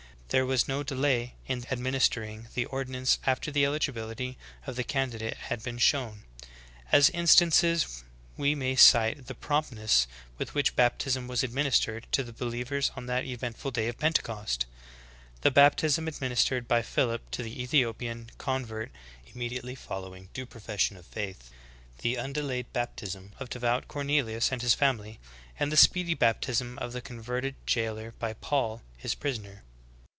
There was no delay in administering the ordinance after the eligibility of the candidate had been shown. As instances we may cite the promptness with which baptism was administered to the believers on that eventful day of Pentecost;* the baptism administered by Philip to the Ethiopian convert immediately following due profession of faith;' the undelayed baptism, of devout Cornelius and his family ;*" and the speedy bap tjsm^pf the converted jailor by Paul, his prisoner.